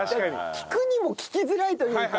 聞くにも聞きづらいというか。